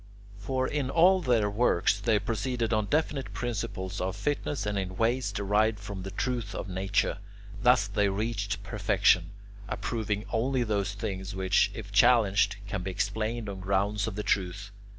For in all their works they proceeded on definite principles of fitness and in ways derived from the truth of Nature. Thus they reached perfection, approving only those things which, if challenged, can be explained on grounds of the truth.